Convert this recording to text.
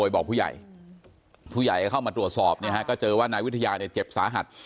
บอกผู้ใหญ่ผู้ใหญ่ก็เข้ามาตรวจสอบเนี่ยฮะก็เจอว่านายวิทยาเนี่ยเจ็บสาหัส